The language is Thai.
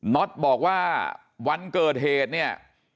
็อตบอกว่าวันเกิดเหตุเนี่ย